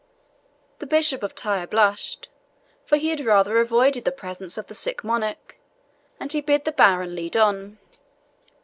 The Bishop of Tyre blushed, for he had rather avoided the presence of the sick monarch; and he bid the baron lead on.